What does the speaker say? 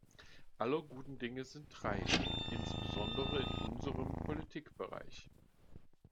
Aller guten Dinge sind drei, insbesondere in unserem Politikbereich.